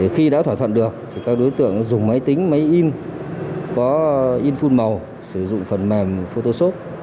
khi đã thỏa thuận được các đối tượng dùng máy tính máy in có inful màu sử dụng phần mềm photoshop